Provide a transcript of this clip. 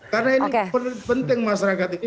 karena ini penting masyarakat ini